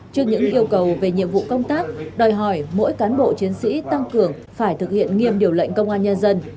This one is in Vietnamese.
trước những yêu cầu về nhiệm vụ công tác đòi hỏi mỗi cán bộ chiến sĩ tăng cường phải thực hiện nghiêm điều lệnh công an nhân dân